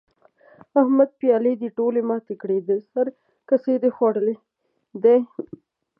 احمده؛ پيالې دې ټولې ماتې کړې؛ د سر کسي دې خوړلي دي؟!